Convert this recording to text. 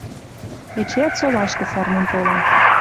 Эчеӓт солашкы сӓрнен толам